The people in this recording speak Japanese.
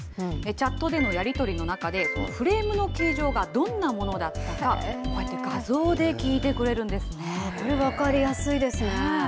チャットでのやり取りの中で、フレームの形状がどんなものだったか、こうやって画像で聞いてくれるんですね。